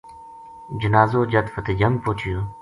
جنازو جد فتح جنگ پوہچیو